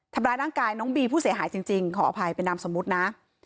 ทำร้ายร่างกายน้องบีผู้เสียหายจริงขออภัยเป็นนามสมมุตินะ